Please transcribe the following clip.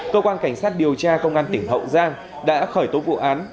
cơ quan cảnh sát điều tra công an tỉnh hậu giang đã khởi tố vụ án